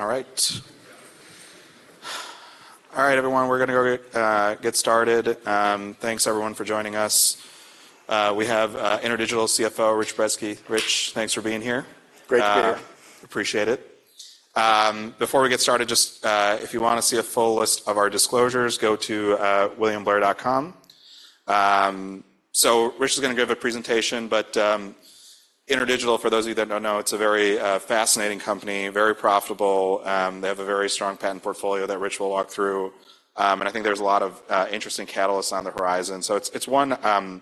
All right. All right, everyone, we're gonna go get started. Thanks everyone for joining us. We have InterDigital CFO, Rich Brezski. Rich, thanks for being here. Great to be here. Appreciate it. Before we get started, just if you wanna see a full list of our disclosures, go to williamblair.com. So Rich is gonna give a presentation, but InterDigital, for those of you that don't know, it's a very fascinating company, very profitable. They have a very strong patent portfolio that Rich will walk through. And I think there's a lot of interesting catalysts on the horizon. So it's one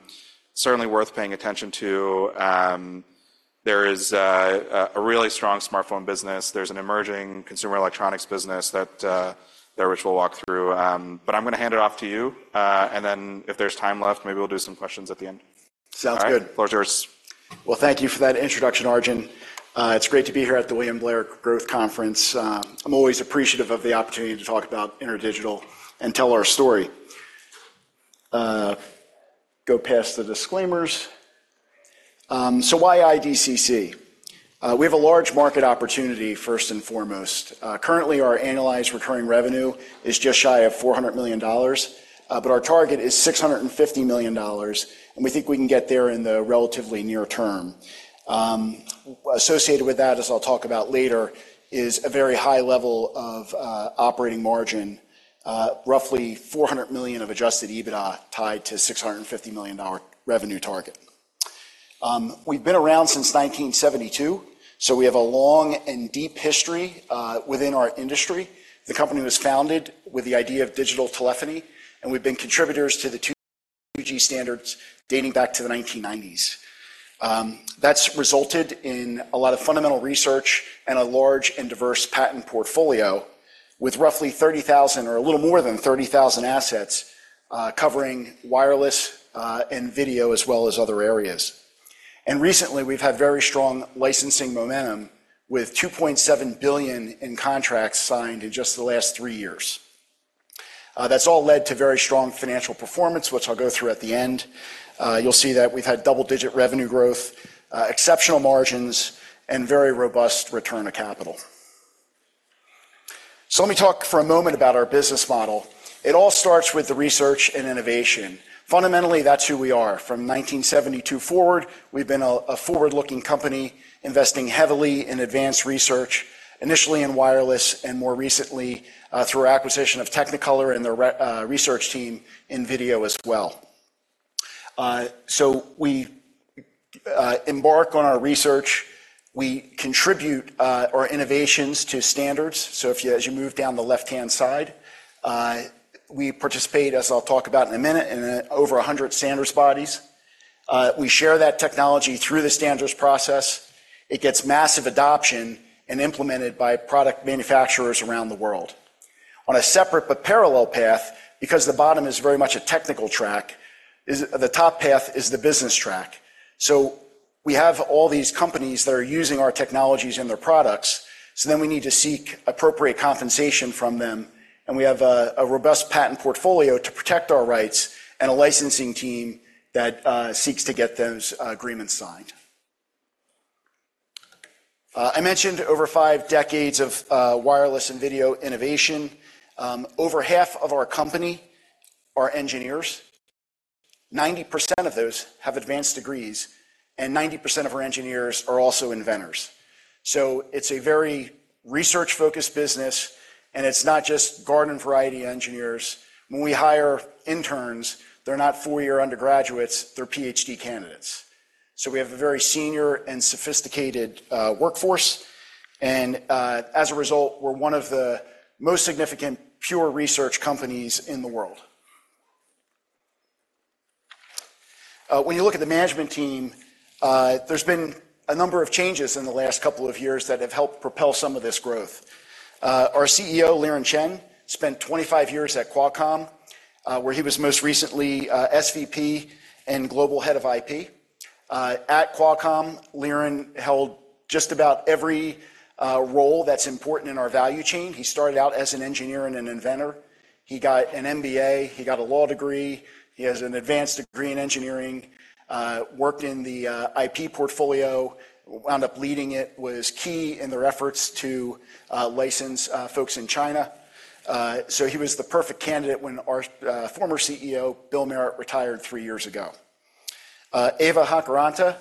certainly worth paying attention to. There is a really strong smartphone business. There's an emerging consumer electronics business that Rich will walk through. But I'm gonna hand it off to you, and then if there's time left, maybe we'll do some questions at the end. Sounds good. All right. Floor is yours. Well, thank you for that introduction, Arjun. It's great to be here at the William Blair Growth Conference. I'm always appreciative of the opportunity to talk about InterDigital and tell our story. Go past the disclaimers. So why IDCC? We have a large market opportunity, first and foremost. Currently, our annualized recurring revenue is just shy of $400 million, but our target is $650 million, and we think we can get there in the relatively near term. Associated with that, as I'll talk about later, is a very high level of operating margin, roughly $400 million of adjusted EBITDA tied to $650 million revenue target. We've been around since 1972, so we have a long and deep history within our industry. The company was founded with the idea of digital telephony, and we've been contributors to the 2G standards dating back to the 1990s. That's resulted in a lot of fundamental research and a large and diverse patent portfolio with roughly 30,000 or a little more than 30,000 assets, covering wireless, and video, as well as other areas. And recently, we've had very strong licensing momentum, with $2.7 billion in contracts signed in just the last 3 years. That's all led to very strong financial performance, which I'll go through at the end. You'll see that we've had double-digit revenue growth, exceptional margins, and very robust return on capital. So let me talk for a moment about our business model. It all starts with the research and innovation. Fundamentally, that's who we are. From 1972 forward, we've been a forward-looking company, investing heavily in advanced research, initially in wireless, and more recently, through our acquisition of Technicolor and their research team in video as well. So we embark on our research. We contribute our innovations to standards. So, as you move down the left-hand side, we participate, as I'll talk about in a minute, in over 100 standards bodies. We share that technology through the standards process. It gets massive adoption and implemented by product manufacturers around the world. On a separate but parallel path, because the bottom is very much a technical track, is the top path, the business track. So we have all these companies that are using our technologies in their products, so then we need to seek appropriate compensation from them, and we have a robust patent portfolio to protect our rights and a licensing team that seeks to get those agreements signed. I mentioned over five decades of wireless and video innovation. Over half of our company are engineers. 90% of those have advanced degrees, and 90% of our engineers are also inventors. So it's a very research-focused business, and it's not just garden-variety engineers. When we hire interns, they're not four-year undergraduates, they're PhD candidates. So we have a very senior and sophisticated workforce, and as a result, we're one of the most significant pure research companies in the world. When you look at the management team, there's been a number of changes in the last couple of years that have helped propel some of this growth. Our CEO, Liren Chen, spent 25 years at Qualcomm, where he was most recently, SVP and Global Head of IP. At Qualcomm, Liren held just about every, role that's important in our value chain. He started out as an engineer and an inventor. He got an MBA. He got a law degree. He has an advanced degree in engineering, worked in the, IP portfolio, wound up leading it, was key in their efforts to, license, folks in China. So he was the perfect candidate when our, former CEO, Bill Merritt, retired 3 years ago. Eeva Hakoranta,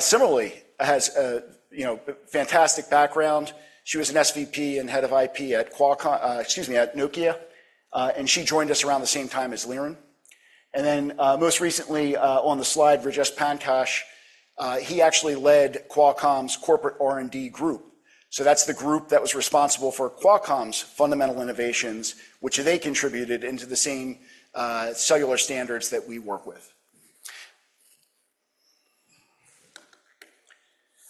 similarly, has a, you know, fantastic background. She was an SVP and Head of IP at Qualcomm... excuse me, at Nokia, and she joined us around the same time as Liren. Then, most recently, on the slide, Rajesh Pankaj, he actually led Qualcomm's corporate R&D group. So that's the group that was responsible for Qualcomm's fundamental innovations, which they contributed into the same cellular standards that we work with.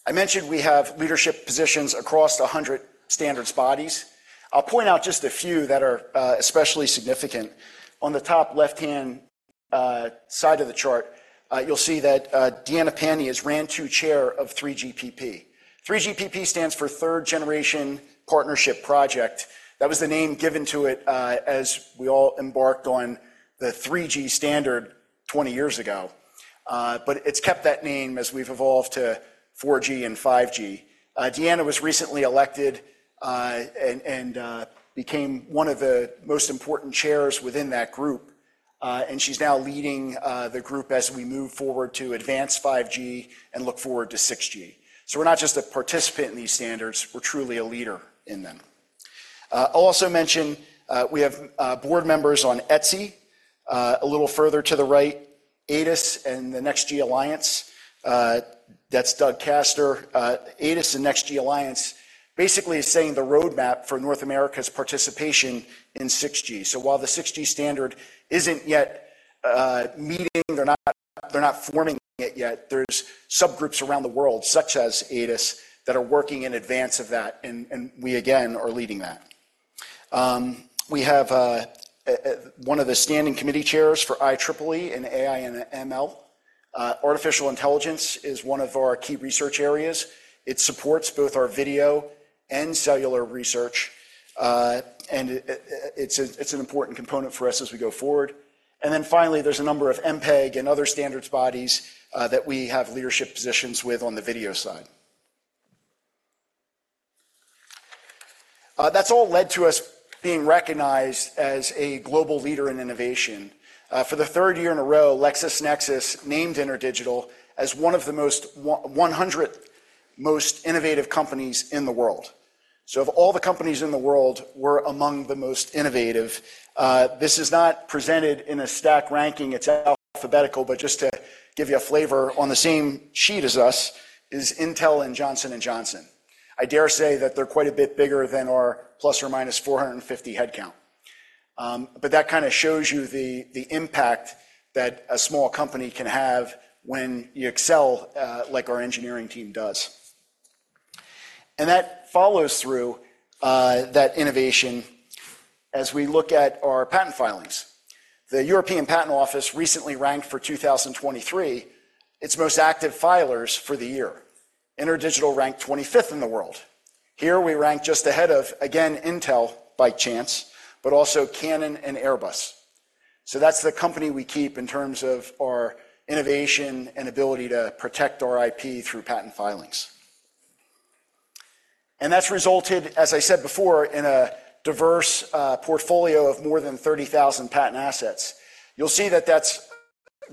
I mentioned we have leadership positions across 100 standards bodies. I'll point out just a few that are especially significant. On the top left-hand side of the chart, you'll see that Diana Pani, RAN2 Chair of 3GPP. 3GPP stands for Third Generation Partnership Project. That was the name given to it as we all embarked on the 3G standard-... 20 years ago, but it's kept that name as we've evolved to 4G and 5G. Deanna was recently elected and became one of the most important chairs within that group. And she's now leading the group as we move forward to advance 5G and look forward to 6G. So we're not just a participant in these standards, we're truly a leader in them. I'll also mention, we have board members on ETSI, a little further to the right, ATIS and the Next G Alliance. That's Doug Castor. ATIS and Next G Alliance basically is saying the roadmap for North America's participation in 6G. So while the 6G standard isn't yet meeting, they're not forming it yet, there's subgroups around the world, such as ATIS, that are working in advance of that, and we again are leading that. We have one of the standing committee chairs for IEEE in AI and ML. Artificial intelligence is one of our key research areas. It supports both our video and cellular research, and it is an important component for us as we go forward. And then finally, there's a number of MPEG and other standards bodies that we have leadership positions with on the video side. That's all led to us being recognized as a global leader in innovation. For the 3rd year in a row, LexisNexis named InterDigital as one of the most, one hundred most innovative companies in the world. So of all the companies in the world, we're among the most innovative. This is not presented in a stack ranking, it's alphabetical, but just to give you a flavor, on the same sheet as us is Intel and Johnson & Johnson. I dare say that they're quite a bit bigger than our plus or minus 450 headcount. But that kinda shows you the, the impact that a small company can have when you excel, like our engineering team does. And that follows through, that innovation as we look at our patent filings. The European Patent Office recently ranked for 2023, its most active filers for the year. InterDigital ranked 25th in the world. Here, we ranked just ahead of, again, Intel, by chance, but also Canon and Airbus. So that's the company we keep in terms of our innovation and ability to protect our IP through patent filings. And that's resulted, as I said before, in a diverse portfolio of more than 30,000 patent assets. You'll see that that's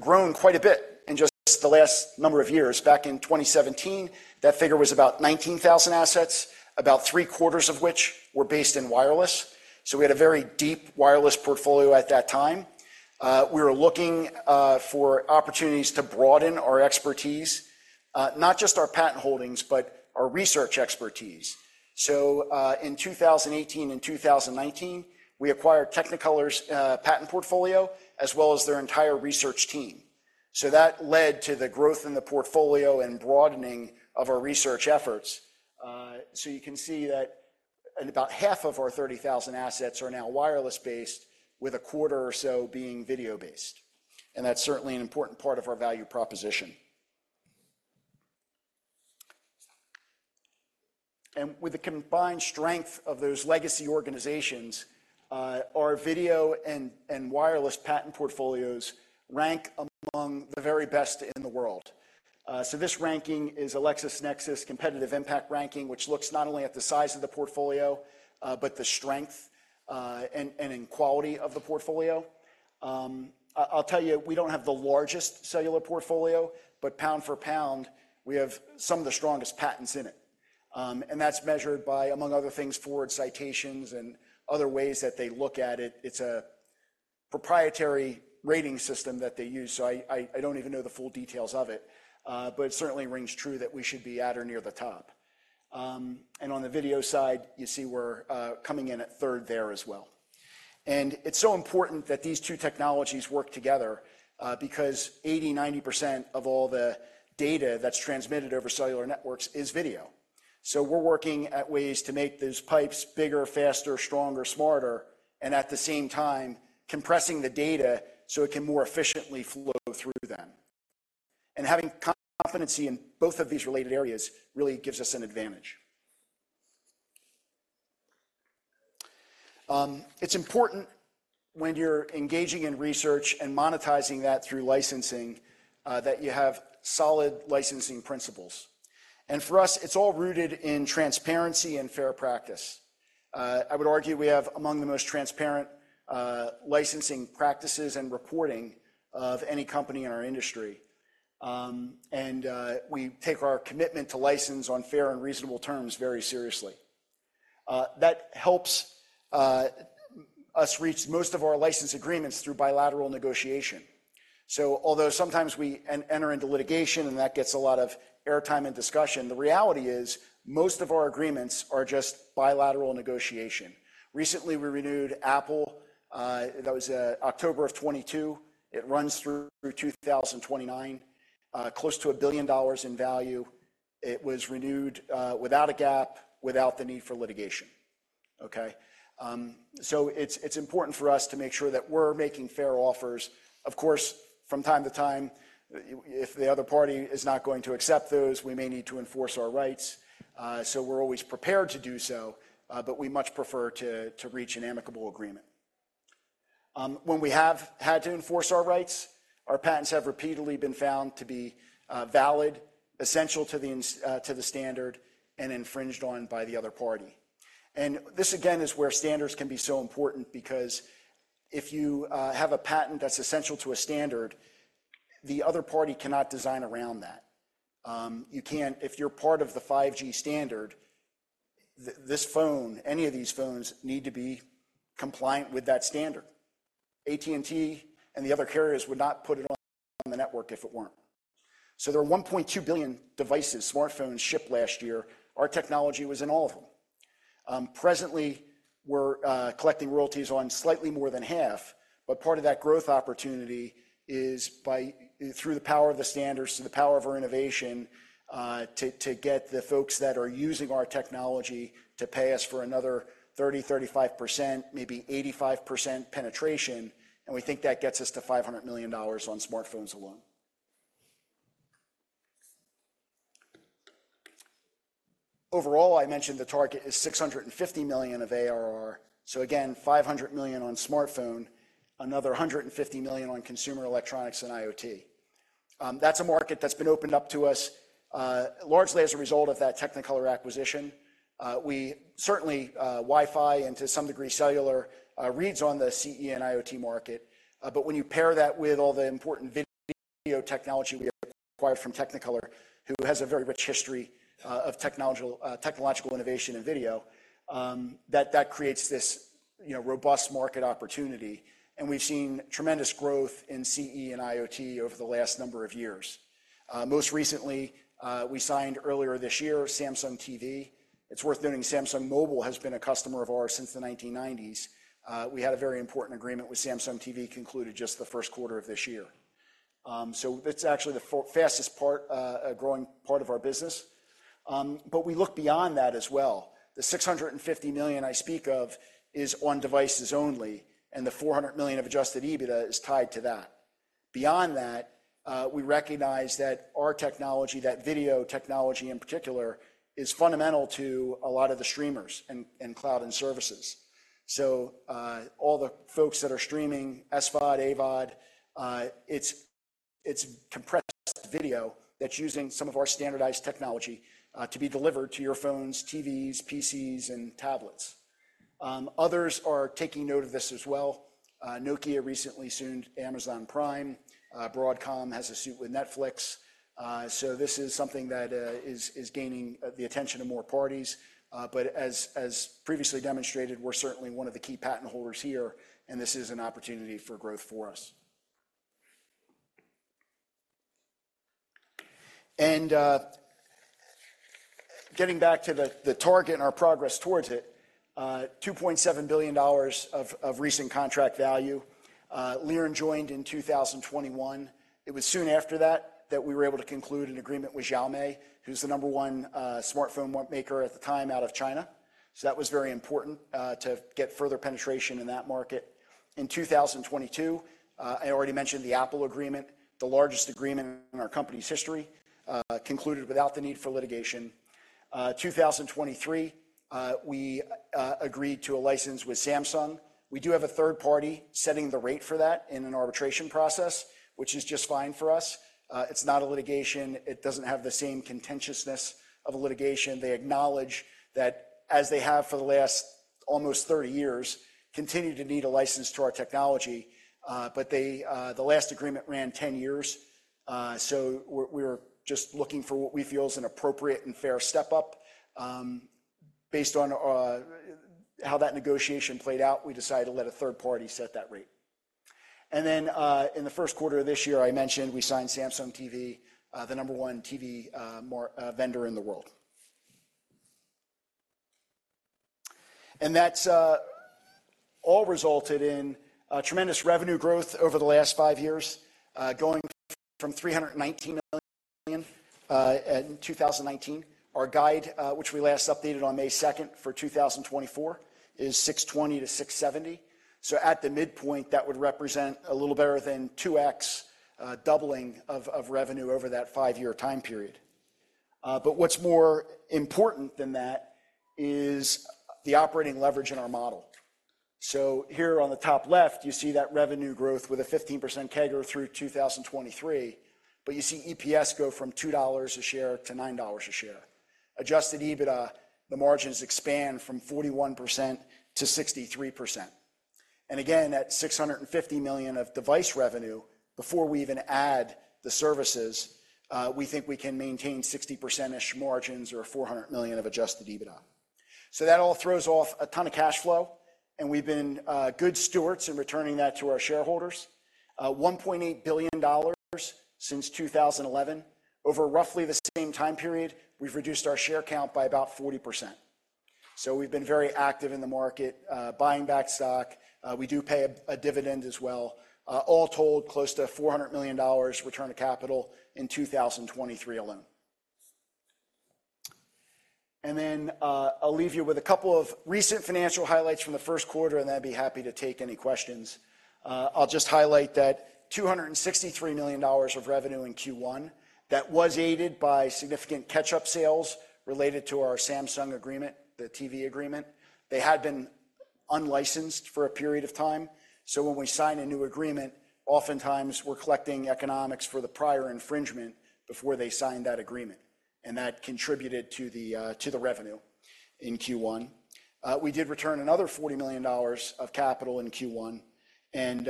grown quite a bit in just the last number of years. Back in 2017, that figure was about 19,000 assets, about three-quarters of which were based in wireless. So we had a very deep wireless portfolio at that time. We were looking for opportunities to broaden our expertise, not just our patent holdings, but our research expertise. So, in 2018 and 2019, we acquired Technicolor's patent portfolio, as well as their entire research team. So that led to the growth in the portfolio and broadening of our research efforts. So you can see that, and about half of our 30,000 assets are now wireless-based, with a quarter or so being video-based, and that's certainly an important part of our value proposition. And with the combined strength of those legacy organizations, our video and wireless patent portfolios rank among the very best in the world. So this ranking is a LexisNexis competitive impact ranking, which looks not only at the size of the portfolio, but the strength and quality of the portfolio. I'll tell you, we don't have the largest cellular portfolio, but pound for pound, we have some of the strongest patents in it. And that's measured by, among other things, forward citations and other ways that they look at it. It's a proprietary rating system that they use, so I don't even know the full details of it, but it certainly rings true that we should be at or near the top. And on the video side, you see we're coming in at third there as well. And it's so important that these two technologies work together, because 80%-90% of all the data that's transmitted over cellular networks is video. So we're working at ways to make those pipes bigger, faster, stronger, smarter, and at the same time, compressing the data so it can more efficiently flow through them. And having competency in both of these related areas really gives us an advantage. It's important when you're engaging in research and monetizing that through licensing, that you have solid licensing principles. For us, it's all rooted in transparency and fair practice. I would argue we have among the most transparent licensing practices and reporting of any company in our industry. We take our commitment to license on fair and reasonable terms very seriously. That helps us reach most of our license agreements through bilateral negotiation. So although sometimes we enter into litigation, and that gets a lot of airtime and discussion, the reality is, most of our agreements are just bilateral negotiation. Recently, we renewed Apple, that was October of 2022. It runs through 2029, close to $1 billion in value. It was renewed without a gap, without the need for litigation, okay? So it's important for us to make sure that we're making fair offers. Of course, from time to time, if the other party is not going to accept those, we may need to enforce our rights, so we're always prepared to do so, but we much prefer to reach an amicable agreement. When we have had to enforce our rights, our patents have repeatedly been found to be valid, essential to the standard and infringed on by the other party. And this, again, is where standards can be so important because if you have a patent that's essential to a standard, the other party cannot design around that. You can't, if you're part of the 5G standard, this phone, any of these phones need to be compliant with that standard. AT&T and the other carriers would not put it on the network if it weren't. So there are 1.2 billion devices, smartphones, shipped last year. Our technology was in all of them. Presently, we're collecting royalties on slightly more than half, but part of that growth opportunity is by, through the power of the standards and the power of our innovation, to, to get the folks that are using our technology to pay us for another 30%–35%, maybe 85% penetration, and we think that gets us to $500 million on smartphones alone. Overall, I mentioned the target is $650 million of ARR. So again, $500 million on smartphone, another $150 million on consumer electronics and IoT. That's a market that's been opened up to us, largely as a result of that Technicolor acquisition. We certainly Wi-Fi and to some degree, cellular, reads on the CE and IoT market. But when you pair that with all the important video technology we acquired from Technicolor, who has a very rich history of technological innovation and video, that creates this, you know, robust market opportunity. And we've seen tremendous growth in CE and IoT over the last number of years. Most recently, we signed earlier this year, Samsung TV. It's worth noting Samsung Mobile has been a customer of ours since the 1990s. We had a very important agreement with Samsung TV, concluded just the first quarter of this year. So it's actually the fastest growing part of our business. But we look beyond that as well. The $650 million I speak of is on devices only, and the $400 million of Adjusted EBITDA is tied to that. Beyond that, we recognize that our technology, that video technology in particular, is fundamental to a lot of the streamers and, and cloud and services. So, all the folks that are streaming SVOD, AVOD, it's, it's compressed video that's using some of our standardized technology, to be delivered to your phones, TVs, PCs, and tablets. Others are taking note of this as well. Nokia recently sued Amazon Prime. Broadcom has a suit with Netflix. So this is something that, is, is gaining, the attention of more parties. But as, as previously demonstrated, we're certainly one of the key patent holders here, and this is an opportunity for growth for us. Getting back to the target and our progress towards it, $2.7 billion of recent contract value. Liren joined in 2021. It was soon after that we were able to conclude an agreement with Xiaomi, who's the number one smartphone maker at the time out of China. So that was very important to get further penetration in that market. In 2022, I already mentioned the Apple agreement, the largest agreement in our company's history, concluded without the need for litigation. In 2023, we agreed to a license with Samsung. We do have a third party setting the rate for that in an arbitration process, which is just fine for us. It's not a litigation. It doesn't have the same contentiousness of a litigation. They acknowledge that, as they have for the last almost 30 years, continue to need a license to our technology. But they, the last agreement ran 10 years, so we're, we're just looking for what we feel is an appropriate and fair step-up. Based on, how that negotiation played out, we decided to let a third party set that rate. And then, in the first quarter of this year, I mentioned we signed Samsung TV, the number one TV, more, vendor in the world. And that's, all resulted in, tremendous revenue growth over the last 5 years, going from $319 million, in 2019. Our guide, which we last updated on May 2 for 2024, is $620 million-$670 million. So at the midpoint, that would represent a little better than 2x doubling of revenue over that five-year time period. But what's more important than that is the operating leverage in our model. So here on the top left, you see that revenue growth with a 15% CAGR through 2023, but you see EPS go from $2 a share to $9 a share. Adjusted EBITDA, the margins expand from 41%-63%. And again, that $650 million of device revenue, before we even add the services, we think we can maintain 60%-ish margins or $400 million of adjusted EBITDA. So that all throws off a ton of cash flow, and we've been good stewards in returning that to our shareholders. One point eight billion dollars since 2011. Over roughly the same time period, we've reduced our share count by about 40%. So we've been very active in the market, buying back stock. We do pay a dividend as well. All told, close to $400 million return of capital in 2023 alone. And then, I'll leave you with a couple of recent financial highlights from the first quarter, and then I'd be happy to take any questions. I'll just highlight that $263 million of revenue in Q1, that was aided by significant catch-up sales related to our Samsung agreement, the TV agreement. They had been unlicensed for a period of time. So when we sign a new agreement, oftentimes we're collecting economics for the prior infringement before they sign that agreement, and that contributed to the revenue in Q1. We did return another $40 million of capital in Q1, and,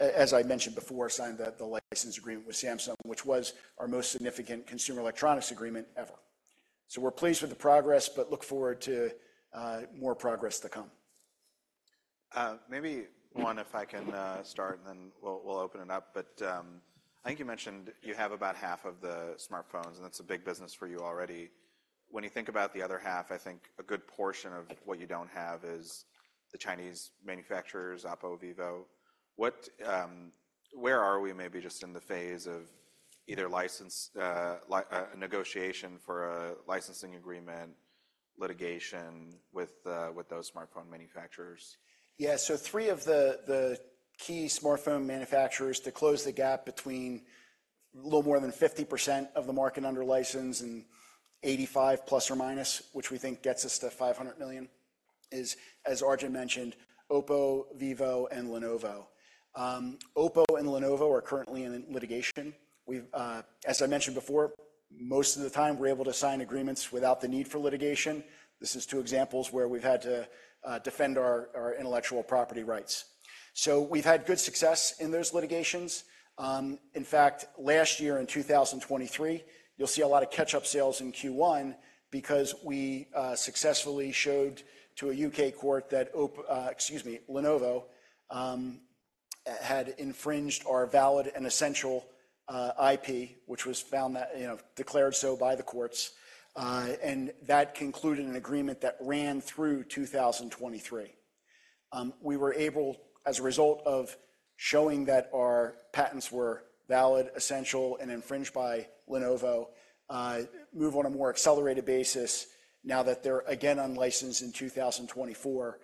as I mentioned before, signed the license agreement with Samsung, which was our most significant consumer electronics agreement ever. So we're pleased with the progress, but look forward to more progress to come. Maybe one, if I can start, and then we'll open it up. But I think you mentioned you have about half of the smartphones, and that's a big business for you already. When you think about the other half, I think a good portion of what you don't have is the Chinese manufacturers, OPPO, VVivo. What... Where are we maybe just in the phase of either licensing negotiation for a licensing agreement, litigation with those smartphone manufacturers? Yeah, so three of the key smartphone manufacturers to close the gap between a little more than 50% of the market under license and 85 ±, which we think gets us to $500 million, is, as Arjun mentioned, OPPO, Vivo, and Lenovo. OPPO and Lenovo are currently in litigation. We've. As I mentioned before, most of the time, we're able to sign agreements without the need for litigation. This is two examples where we've had to defend our intellectual property rights. We've had good success in those litigations. In fact, last year in 2023, you'll see a lot of catch-up sales in Q1 because we successfully showed to a UK court that Lenovo had infringed our valid and essential IP, which was found that, you know, declared so by the courts, and that concluded an agreement that ran through 2023. We were able, as a result of showing that our patents were valid, essential, and infringed by Lenovo, move on a more accelerated basis now that they're again unlicensed in 2024.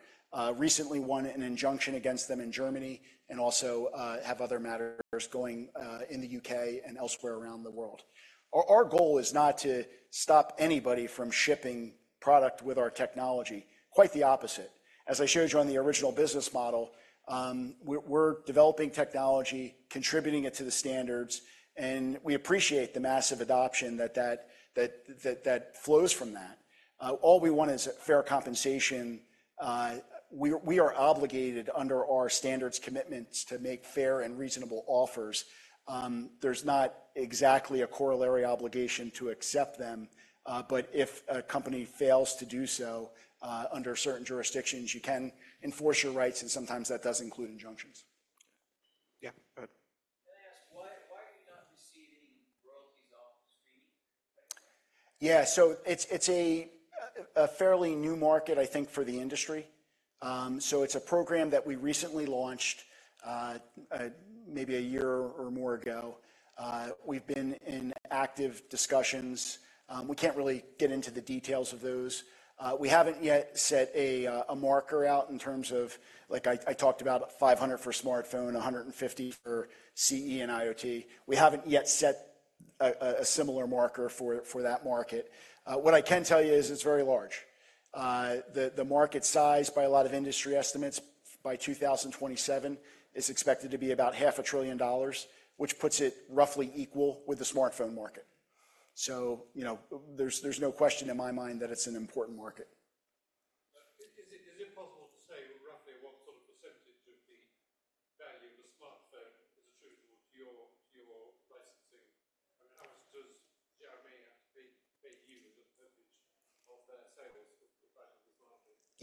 Recently won an injunction against them in Germany and also have other matters going in the UK and elsewhere around the world. Our goal is not to stop anybody from shipping product with our technology. Quite the opposite. As I showed you on the original business model, we're developing technology, contributing it to the standards, and we appreciate the massive adoption that flows from that. All we want is fair compensation. We are obligated under our standards commitments to make fair and reasonable offers. There's not exactly a corollary obligation to accept them, but if a company fails to do so, under certain jurisdictions, you can enforce your rights, and sometimes that does include injunctions. Yeah, go ahead. Can I ask, why, why are you not receiving royalties off streaming? Yeah. So it's a fairly new market, I think, for the industry. So it's a program that we recently launched, maybe a year or more ago. We've been in active discussions. We can't really get into the details of those. We haven't yet set a marker out in terms of... Like, I talked about 500 for smartphone, 150 for CE and IoT. We haven't yet set a similar marker for that market. What I can tell you is it's very large. The market size by a lot of industry estimates by 2027 is expected to be about $500 billion, which puts it roughly equal with the smartphone market. So, you know, there's no question in my mind that it's an important market.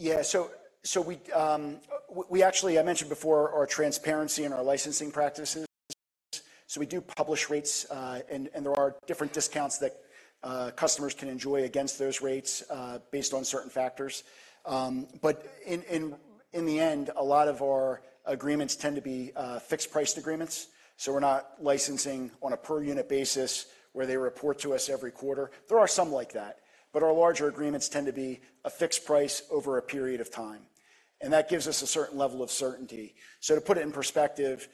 Is it possible to say roughly what sort of percentage of the value of a smartphone is attributable to your licensing? I mean, how much does Xiaomi have to pay you as a percentage of their sales of the phone as well? Yeah. So we actually I mentioned before our transparency and our licensing practices. So we do publish rates, and there are different discounts that customers can enjoy against those rates, based on certain factors. But in the end, a lot of our agreements tend to be fixed-priced agreements, so we're not licensing on a per-unit basis, where they report to us every quarter. There are some like that, but our larger agreements tend to be a fixed price over a period of time, and that gives us a certain level of certainty. So to put it in perspective,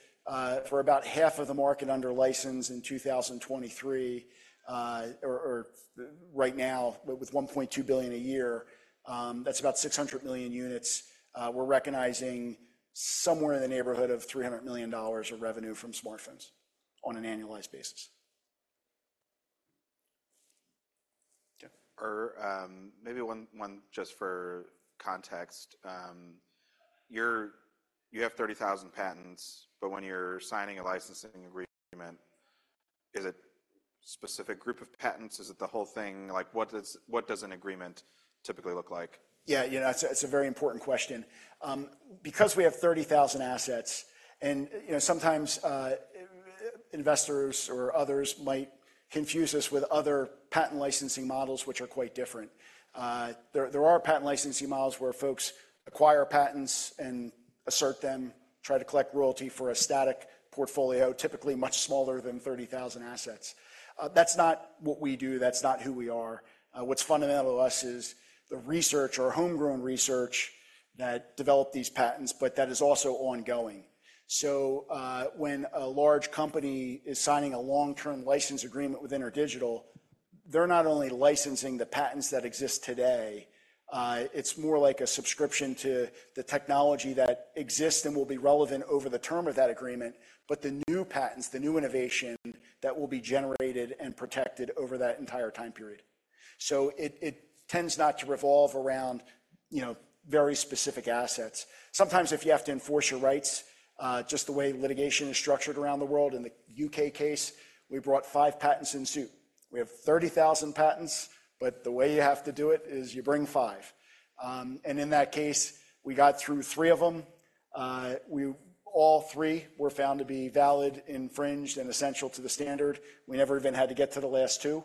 for about half of the market under license in 2023, or right now, with 1.2 billion a year, that's about 600 million units. We're recognizing somewhere in the neighborhood of $300 million of revenue from smartphones on an annualized basis. Yeah. Or, maybe one just for context. You're- you have 30,000 patents, but when you're signing a licensing agreement, is it specific group of patents? Is it the whole thing? Like, what does an agreement typically look like? Yeah, you know, it's a very important question. Because we have 30,000 assets, and, you know, sometimes investors or others might confuse us with other patent licensing models, which are quite different. There are patent licensing models where folks acquire patents and assert them, try to collect royalty for a static portfolio, typically much smaller than 30,000 assets. That's not what we do. That's not who we are. What's fundamental to us is the research or homegrown research that developed these patents, but that is also ongoing. So, when a large company is signing a long-term license agreement with InterDigital-... They're not only licensing the patents that exist today, it's more like a subscription to the technology that exists and will be relevant over the term of that agreement, but the new patents, the new innovation that will be generated and protected over that entire time period. So it, it tends not to revolve around, you know, very specific assets. Sometimes if you have to enforce your rights, just the way litigation is structured around the world, in the U.K. case, we brought five patents in suit. We have 30,000 patents, but the way you have to do it is you bring five. And in that case, we got through three of them. We all three were found to be valid, infringed, and essential to the standard. We never even had to get to the last two.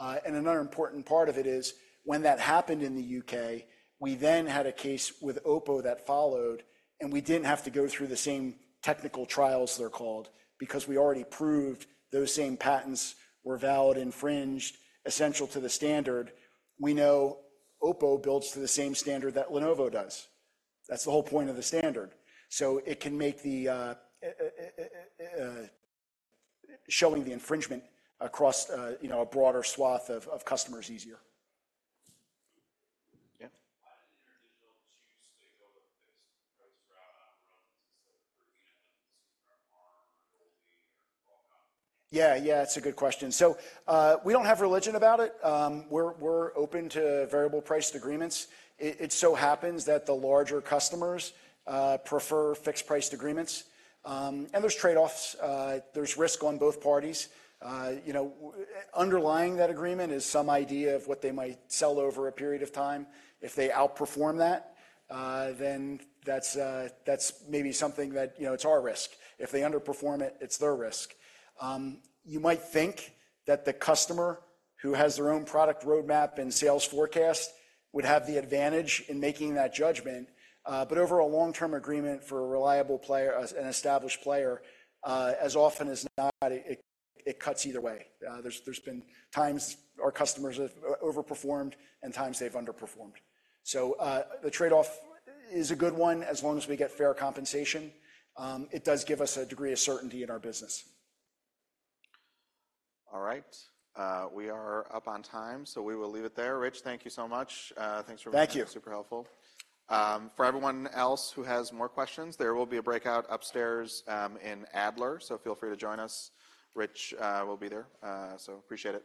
And another important part of it is when that happened in the UK, we then had a case with OPPO that followed, and we didn't have to go through the same technical trials, they're called, because we already proved those same patents were valid, infringed, essential to the standard. We know OPPO builds to the same standard that Lenovo does. That's the whole point of the standard. So it can make the showing the infringement across, you know, a broader swath of customers easier. Yeah? Why did InterDigital choose to go with fixed price route on royalties instead of looking at them from ARM or...? Yeah, yeah, it's a good question. So, we don't have religion about it. We're open to variable priced agreements. It so happens that the larger customers prefer fixed-priced agreements, and there's trade-offs, there's risk on both parties. You know, underlying that agreement is some idea of what they might sell over a period of time. If they outperform that, then that's maybe something that, you know, it's our risk. If they underperform it, it's their risk. You might think that the customer who has their own product roadmap and sales forecast would have the advantage in making that judgment, but over a long-term agreement for a reliable player, as an established player, as often as not, it cuts either way. There's been times our customers have overperformed and times they've underperformed. So, the trade-off is a good one as long as we get fair compensation. It does give us a degree of certainty in our business. All right, we are up on time, so we will leave it there. Rich, thank you so much. Thanks for- Thank you. Super helpful. For everyone else who has more questions, there will be a breakout upstairs, in Adler, so feel free to join us. Rich, will be there, so appreciate it.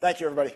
Thank you, everybody.